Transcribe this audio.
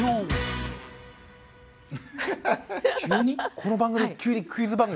この番組急にクイズ番組になったの？